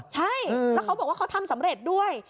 ใช่แล้วเขาบอกว่าเขาทำสำเร็จด้วย